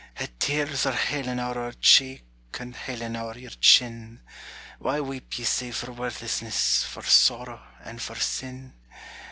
Het tears are hailin' ower our cheek, And hailin' ower your chin: Why weep ye sae for worthlessness, For sorrow, and for sin?